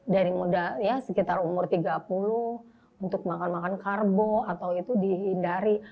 dari muda ya sekitar umur tiga puluh untuk makan makan karbo atau itu dihindari